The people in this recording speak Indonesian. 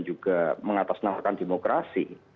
juga mengatasnahkan demokrasi